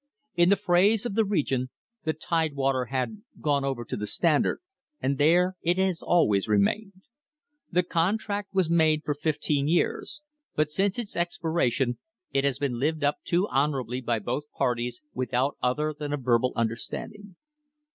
In the phrase of the region, the Tidewater had "gone over to the Standard," and there it has always remained. The contract was made for fifteen years, but since its expiration it has been lived up to honourably by both parties without other than a verbal understanding.